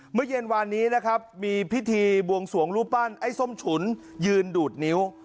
เมื่อเย็นวานนี้นะครับมีพิธีบวงสวงรูปปั้นไอ้ส้มฉุนยืนดูดนิ้ว